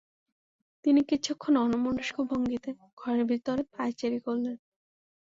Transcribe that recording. তিনি কিছুক্ষণ অন্যমনস্ক ভঙ্গিতে ঘরের ভেতর পায়চারি করলেন।